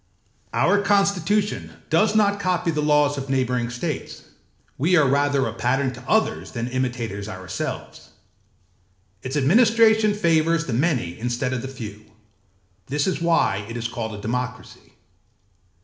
âOur constitution does not copy the laws of neighbouring states; we are rather a pattern to others than imitators ourselves. Its administration favours the many instead of the few; this is why it is called a democracy.